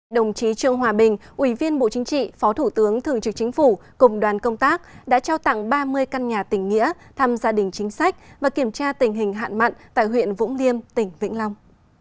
đồng chí trương hòa bình ủy viên bộ chính trị phó thủ tướng thường trực chính phủ cùng đoàn công tác đã trao tặng ba mươi căn nhà tỉnh nghĩa thăm gia đình chính sách và kiểm tra tình hình hạn mặn tại huyện vũng liêm tỉnh vĩnh long